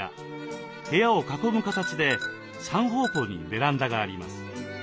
部屋を囲む形で３方向にベランダがあります。